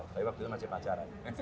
tapi waktu itu masih pacaran